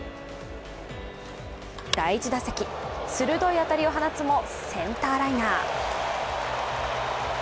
第１打席、鋭い当たりを放つもセンターライナー。